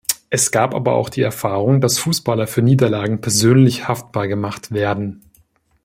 Es gab aber auch die Erfahrung, dass Fußballer für Niederlagen persönlich haftbar gemacht werden.